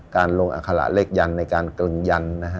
การลงอัคระเล็กยันต์